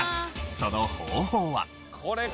その方法は。